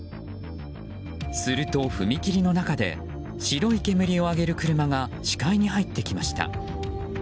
すると、踏切の中で白い煙を上げる車が視界に入ってきました。